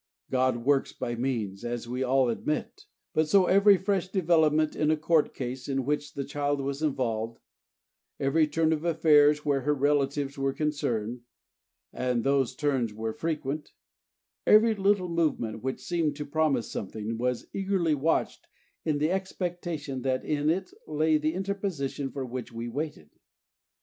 God works by means, as we all admit; and so every fresh development in a Court case in which the child was involved, every turn of affairs, where her relatives were concerned (and these turns were frequent), every little movement which seemed to promise something, was eagerly watched in the expectation that in it lay the interposition for which we waited.